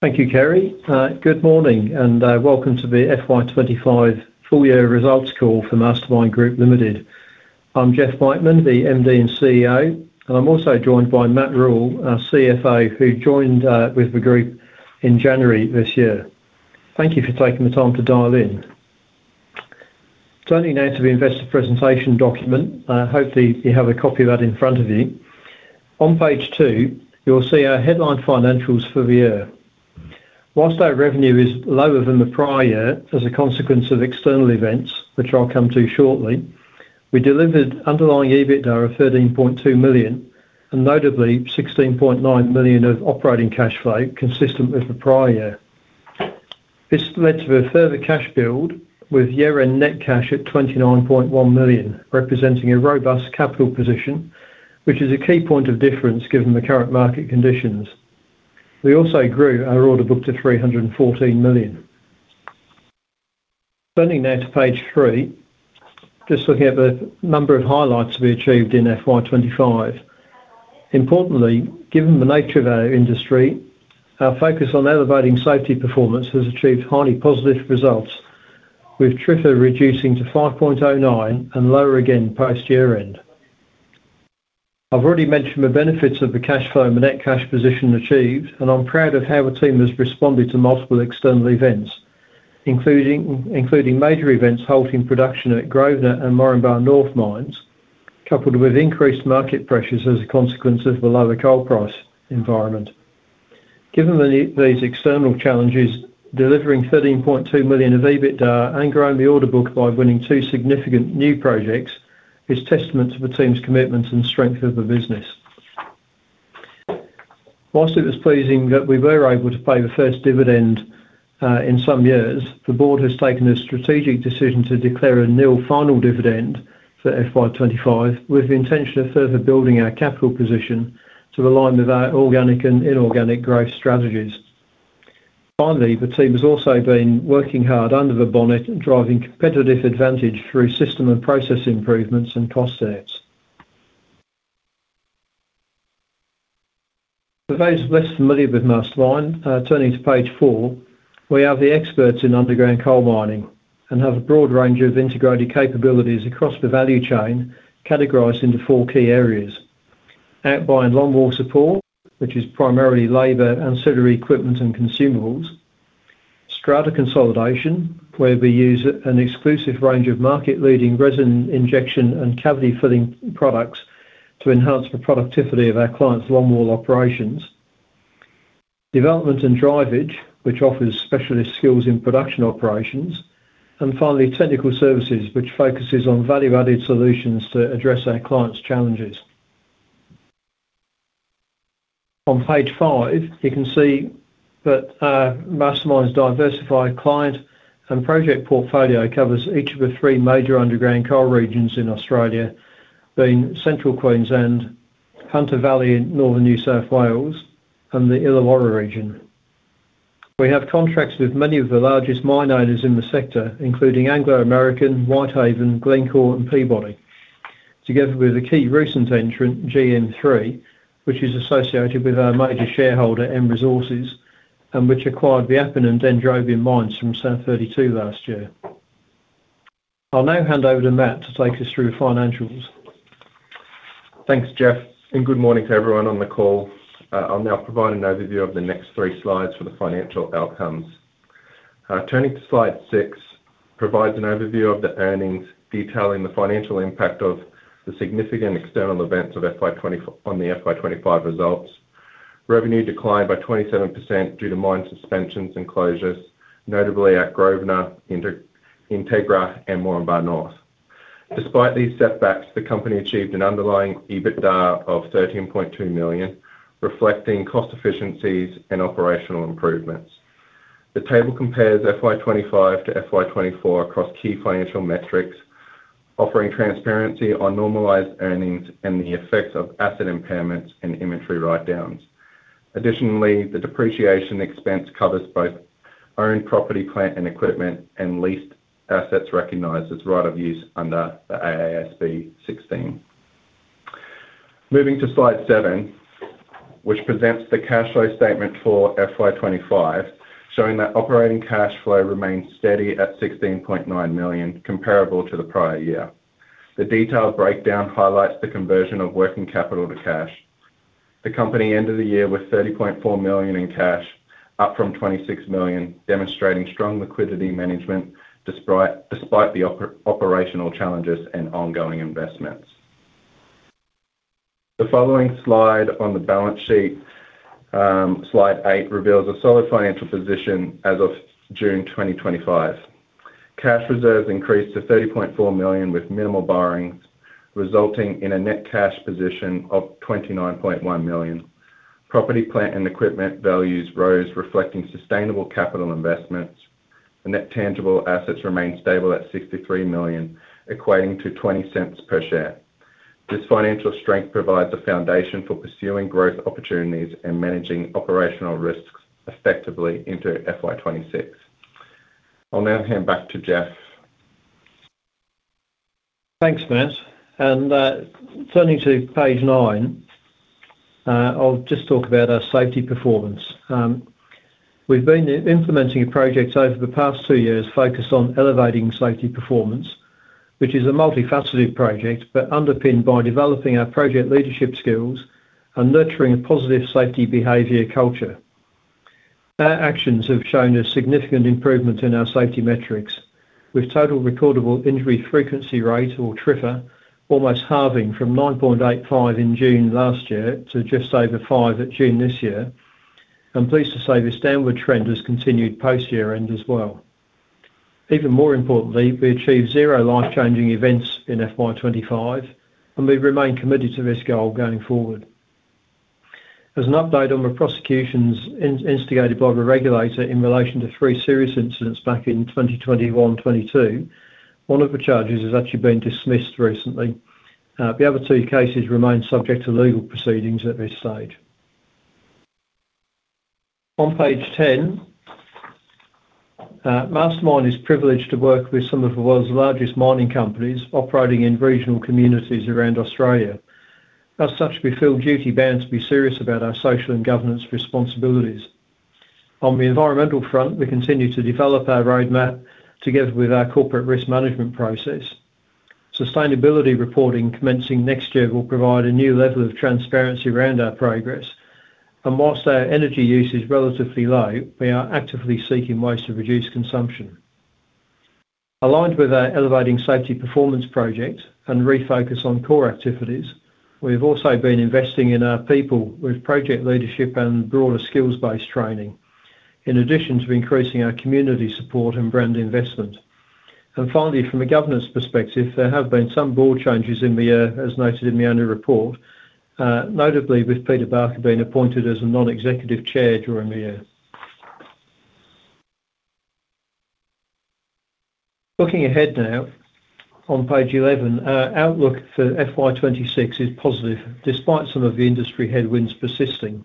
Thank you, Kerry. Good morning and welcome to the FY 2025 Full-Year Results Call for Mastermyne Group Ltd. I'm Jeff Whiteman, the MD and CEO, and I'm also joined by Matt Ruhl, our CFO, who joined with the group in January this year. Thank you for taking the time to dial in. Turning now to the investor presentation document, I hope that you have a copy of that in front of you. On page 2, you'll see our headline financials for the year. Whilst our revenue is lower than the prior year as a consequence of external events, which I'll come to shortly, we delivered underlying EBITDA of $13.2 million and notably $16.9 million of operating cash flow, consistent with the prior year. This led to a further cash build with year-end net cash at $29.1 million, representing a robust capital position, which is a key point of difference given the current market conditions. We also grew our order book to $314 million. Turning now to page 3, just looking at the number of highlights we achieved in FY 2025. Importantly, given the nature of our industry, our focus on elevating safety performance has achieved highly positive results, with TRIFR reducing to 5.09 and lower again post-year-end. I've already mentioned the benefits of the cash flow and the net cash position achieved, and I'm proud of how our team has responded to multiple external events, including major events halting production at Grosvenor and Moranbah North mines, coupled with increased market pressures as a consequence of the lower coal price environment. Given these external challenges, delivering $13.2 million of EBITDA and growing the order book by winning two significant new projects is a testament to the team's commitment and strength of the business. Whilst it was pleasing that we were able to pay the first dividend in some years, the board has taken a strategic decision to declare a nil final dividend for FY 2025, with the intention of further building our capital position to align with our organic and inorganic growth strategies. Finally, the team has also been working hard under the bonnet and driving competitive advantage through system and process improvements and cost saves. For those less familiar with Mastermyne, turning to page 4, we are the experts in underground coal mining and have a broad range of integrated capabilities across the value chain, categorized into four key areas: outbye longwall support, which is primarily labor and ancillary equipment and consumables, strata consolidation, where we use an exclusive range of market-leading resin injection and cavity-filling products to enhance the productivity of our clients' longwall operations, development and drivage, which offers specialist skills in production operations, and finally, technical services, which focuses on value-added solutions to address our clients' challenges. On page 5, you can see that Mastermyne's diversified client and project portfolio covers each of the three major underground coal regions in Australia, being Central Queensland, Hunter Valley in northern New South Wales, and the Illawarra region. We have contracts with many of the largest mine owners in the sector, including Anglo American, Whitehaven, Glencore, and Peabody, together with a key recent entrant, GM3, which is associated with our major shareholder, M Resources, and which acquired the Appin and Dendrobium Mines from South 32 last year. I'll now hand over to Matt to take us through the financials. Thanks, Jeff, and good morning to everyone on the call. I'll now provide an overview of the next three slides for the financial outcomes. Turning to slide 6 provides an overview of the earnings, detailing the financial impact of the significant external events on the FY 2025 results. Revenue declined by 27% due to mine suspensions and closures, notably at Grosvenor, Integra, and Moranbah North. Despite these setbacks, the company achieved an underlying EBITDA of $13.2 million, reflecting cost efficiencies and operational improvements. The table compares FY 2025-FY 2024 across key financial metrics, offering transparency on normalised earnings and the effects of asset impairments and inventory write-downs. Additionally, the depreciation expense covers both owned property, plant, and equipment, and leased assets recognized as right of use under the AASB 16. Moving to slide 7, which presents the cash flow statement for FY 2025, showing that operating cash flow remains steady at $16.9 million, comparable to the prior year. The detailed breakdown highlights the conversion of working capital to cash. The company ended the year with $30.4 million in cash, up from $26 million, demonstrating strong liquidity management despite the operational challenges and ongoing investments. The following slide on the balance sheet, slide 8, reveals a solid financial position as of June 2025. Cash reserves increased to $30.4 million with minimal borrowings, resulting in a net cash position of $29.1 million. Property, plant, and equipment values rose, reflecting sustainable capital investments. The net tangible assets remain stable at $63 million, equating to $0.20 per share. This financial strength provides the foundation for pursuing growth opportunities and managing operational risks effectively into FY 2026. I'll now hand back to Jeff. Thanks, Matt. Turning to page nine, I'll just talk about our safety performance. We've been implementing projects over the past two years focused on elevating safety performance, which is a multifaceted project, but underpinned by developing our project leadership skills and nurturing a positive safety behavior culture. Our actions have shown a significant improvement in our safety metrics, with Total Recordable Injury Frequency Rate, or TRIFR, almost halving from 9.85 in June last year to just over 5 at June this year. I'm pleased to say this downward trend has continued post-year-end as well. Even more importantly, we achieved zero life-changing events in FY 2024, and we remain committed to this goal going forward. As an update on the prosecutions instigated by the regulator in relation to three serious incidents back in 2021-2022, one of the charges has actually been dismissed recently. The other two cases remain subject to legal proceedings at this stage. On page 10, Mastermyne is privileged to work with some of the world's largest mining companies operating in regional communities around Australia. As such, we feel duty bound to be serious about our social and governance responsibilities. On the environmental front, we continue to develop our roadmap together with our corporate risk management process. Sustainability reporting commencing next year will provide a new level of transparency around our progress. Whilst our energy use is relatively low, we are actively seeking ways to reduce consumption. Aligned with our elevating safety performance project and refocus on core activities, we have also been investing in our people with project leadership and broader skills-based training, in addition to increasing our community support and brand investment. Finally, from a governance perspective, there have been some board changes in the year, as noted in the annual report, notably with Peter Barker being appointed as a Non-Executive Chair during the year. Looking ahead now, on page 11, our outlook for FY 2025 is positive, despite some of the industry headwinds persisting.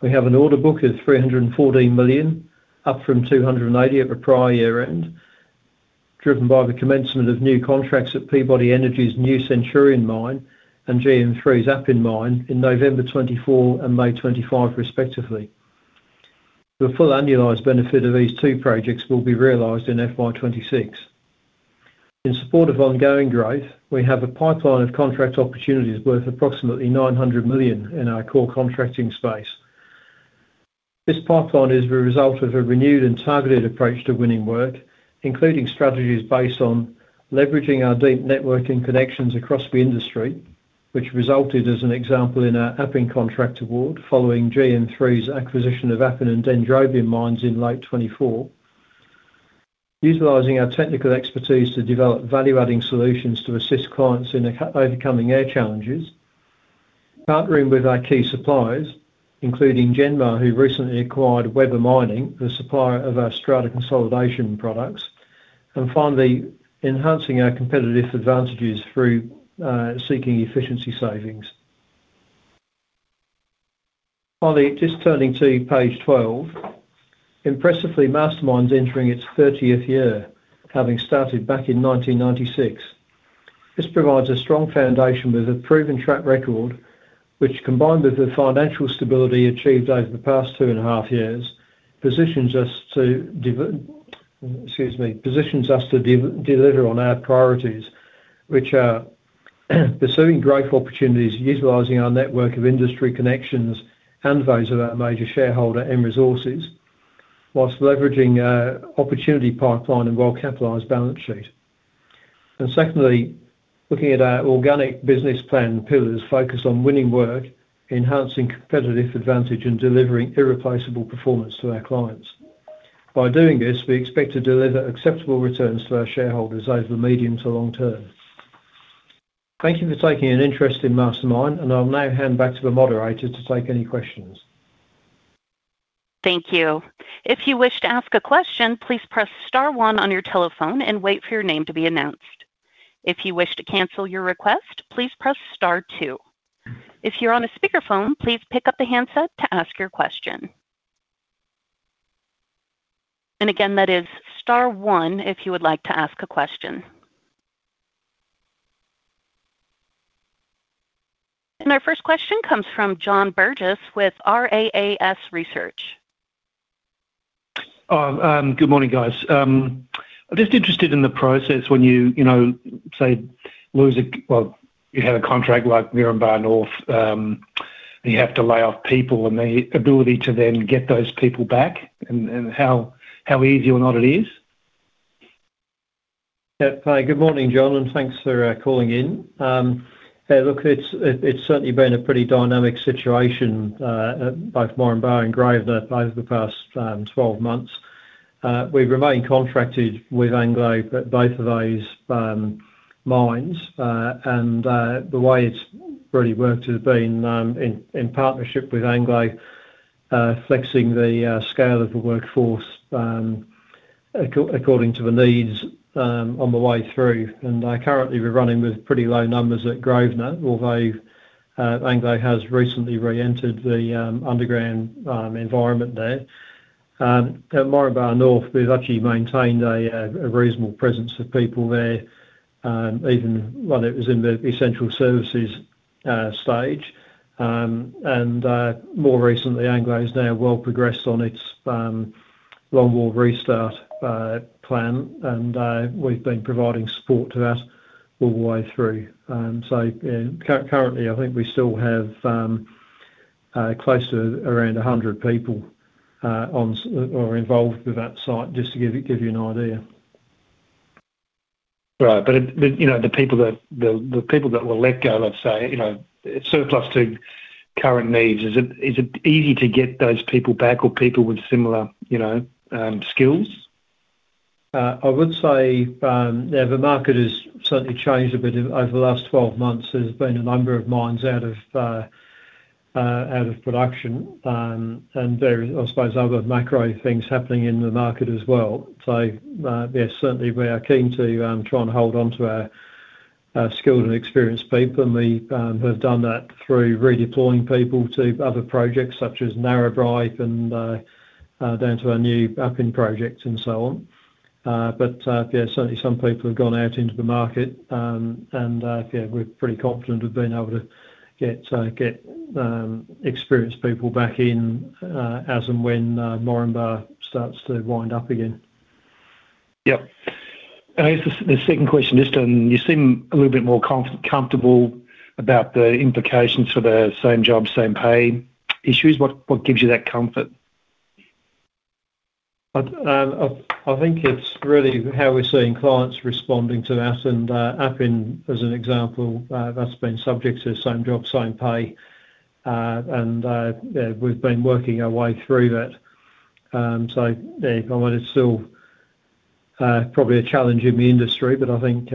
We have an order book of $314 million, up from $280 million at the prior year-end, driven by the commencement of new contracts at Peabody Energy's New Centurion Mine and GN3's Appin Mine in November 2024 and May 2025, respectively. The full annualized benefit of these two projects will be realized in FY 2025. In support of ongoing growth, we have a pipeline of contract opportunities worth approximately $900 million in our core contracting space. This pipeline is the result of a renewed and targeted approach to winning work, including strategies based on leveraging our deep networking connections across the industry, which resulted, as an example, in our Appin contract award following GN3's acquisition of Appin and Dendrobium mines in late 2024. Utilizing our technical expertise to develop value-adding solutions to assist clients in overcoming their challenges, partnering with our key suppliers, including JENNMAR, who recently acquired Weber Mining, the supplier of our strata consolidation products, and finally, enhancing our competitive advantages through seeking efficiency savings. Finally, just turning to page 12, impressively, Mastermyne's entering its 30th year, having started back in 1996. This provides a strong foundation with a proven track record, which, combined with the financial stability achieved over the past two and a half years, positions us to deliver on our priorities, which are pursuing growth opportunities, utilizing our network of industry connections and those of our major shareholder, M Resources, whilst leveraging our opportunity pipeline and well-capitalized balance sheet. Secondly, looking at our organic business plan pillars, focused on winning work, enhancing competitive advantage, and delivering irreplaceable performance to our clients. By doing this, we expect to deliver acceptable returns to our shareholders over the medium to long term. Thank you for taking an interest in Mastermyne, and I'll now hand back to the moderator to take any questions. Thank you. If you wish to ask a question, please press star one on your telephone and wait for your name to be announced. If you wish to cancel your request, please press star two. If you're on a speakerphone, please pick up the handset to ask your question. That is star one if you would like to ask a question. Our first question comes from John Burgess with RAAS Research. Good morning, guys. I'm just interested in the process when you, you know, say lose a, you have a contract like Moranbah North, and you have to lay off people and the ability to then get those people back and how easy or not it is. Yeah, hi, good morning, John, and thanks for calling in. It's certainly been a pretty dynamic situation at both Moranbah North and Grosvenor over the past 12 months. We've remained contracted with Anglo American at both of those mines, and the way it's really worked has been in partnership with Anglo American, flexing the scale of the workforce according to the needs on the way through. Currently, we're running with pretty low numbers at Grosvenor, although Anglo American has recently re-entered the underground environment there. At Moranbah North, we've actually maintained a reasonable presence of people there, even when it was in the essential services stage. More recently, Anglo American's now well progressed on its longwall restart plan, and we've been providing support to that all the way through. Currently, I think we still have close to around 100 people involved with that site, just to give you an idea. Right. You know the people that will let go, let's say, it's surplus to current needs. Is it easy to get those people back or people with similar skills? I would say, yeah, the market has certainly changed a bit over the last 12 months. There's been a number of mines out of production, and there are, I suppose, other macro things happening in the market as well. Yes, certainly, we are keen to try and hold onto our skilled and experienced people, and we have done that through redeploying people to other projects such as Narrabri and down to our new Appin project and so on. Certainly, some people have gone out into the market, and yeah, we're pretty confident we've been able to get experienced people back in as and when Moranbah starts to wind up again. I guess the second question, just on you seem a little bit more comfortable about the implications for the same job, same pay issues. What gives you that comfort? I think it's really how we're seeing clients responding to us, and Appin, as an example, that's been subject to the same job, same pay. We've been working our way through that. I mean, it's still probably a challenge in the industry, but I think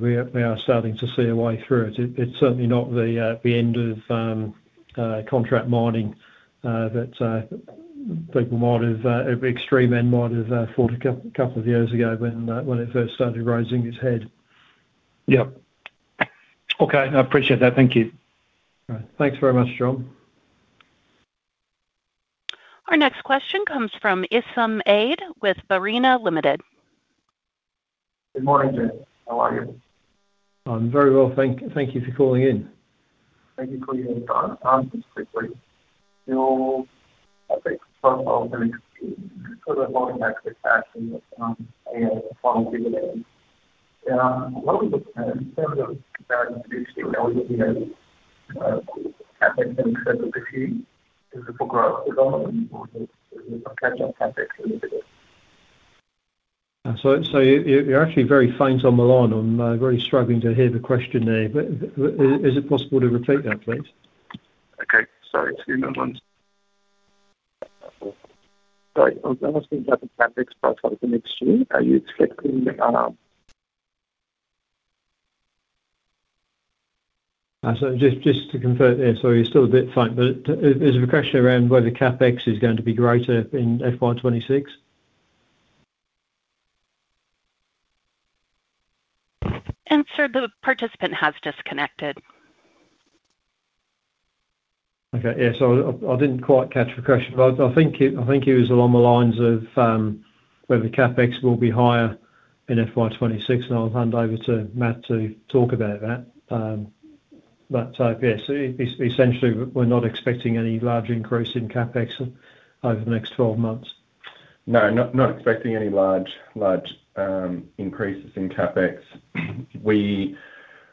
we are starting to see a way through it. It's certainly not the end of contract mining that people might have, extreme end might have thought a couple of years ago when it first started rising its head. Yep, okay. I appreciate that. Thank you. All right. Thanks very much, John. Our next question comes from Issam Aid with Barina Limited. Good morning, Jeff. How are you? I'm very well, thank you for calling in. You're actually very faint on the line. I'm really struggling to hear the question there. Is it possible to repeat that, please? Sorry. I'm asking about the CapEx pipeline for next year. Are you expecting... Just to confirm, sorry, you're still a bit faint. Is the question around whether CapEx is going to be greater in FY 2026? The participant has disconnected. Okay. I didn't quite catch the question, but I think it was along the lines of whether CapEx will be higher in FY 2026. I'll hand over to Matt to talk about that. Essentially, we're not expecting any large increase in CapEx over the next 12 months. No, not expecting any large, large increases in CapEx. We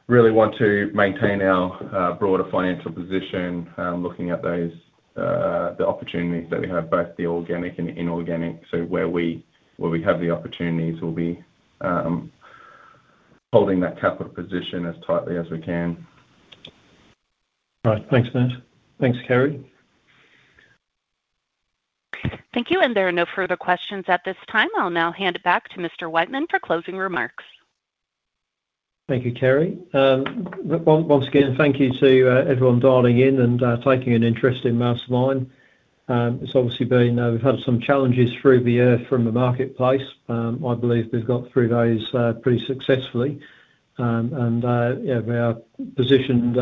really want to maintain our broader financial position, looking at those, the opportunities that we have, both the organic and inorganic. Where we have the opportunities, we'll be holding that capital position as tightly as we can. All right. Thanks, Matt. Thanks, Kerry. Thank you. There are no further questions at this time. I'll now hand it back to Mr. Whiteman for closing remarks. Thank you, Kerry. Once again, thank you to everyone dialing in and taking an interest in Mastermyne. It's obviously been that we've had some challenges through the year from the marketplace. I believe we've got through those pretty successfully. We are positioned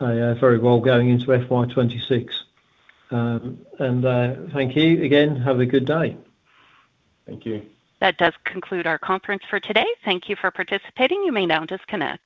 very well going into FY 2026. Thank you again. Have a good day. Thank you. That does conclude our conference for today. Thank you for participating. You may now disconnect.